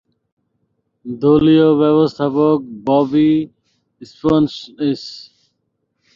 দলীয় ব্যবস্থাপক ববি সিম্পসনের সহায়তায় সম্পদশালী ব্যক্তিত্বে পরিণত হন।